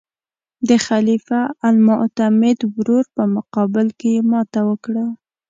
د خلیفه المعتمد ورور په مقابل کې یې ماته وکړه.